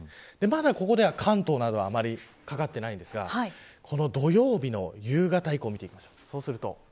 まだここでは関東などあまりかかってはいませんが土曜日の夕方以降見ていきます。